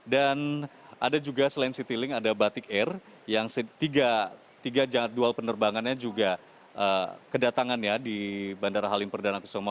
dan ada juga selain citylink ada batik air yang tiga jadwal penerbangannya juga kedatangannya di bandara halim perdana kesehatan